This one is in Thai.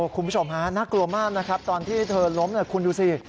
คุณผู้ชมฮะน่ากลัวมากนะครับตอนที่เธอล้มคุณดูสิ